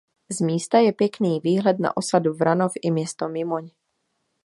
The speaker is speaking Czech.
Z místa je pěkný výhled na osadu Vranov i město Mimoň.